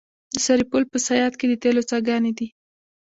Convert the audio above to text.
د سرپل په صیاد کې د تیلو څاګانې دي.